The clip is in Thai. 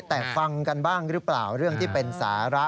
แต่ฟังกันบ้างหรือเปล่าเรื่องที่เป็นสาระ